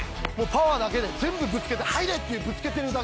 パワーだけで全部ぶつけて入れってぶつけてるだけです。